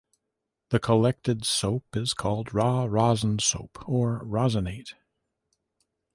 The collected soap is called "raw rosin soap" or "rosinate".